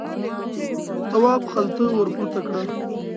تواب خلته ور پورته کړه.